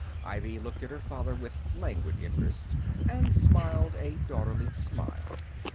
Ivy looked at her father with languid interest, and smiled a daughterly smile.